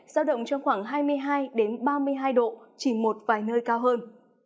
giao động trong khoảng hai mươi hai ba mươi hai độ chỉ một vài nơi cao hơn